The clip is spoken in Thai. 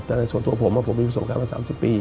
แต่ในส่วนตัวผมผมมีประสบการณ์มา๓๐ปี